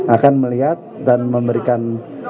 akan melihat dan memberikan